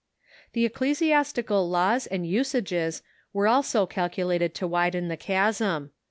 The ecclesiastical laws and usages were also calculated to widen the chasm.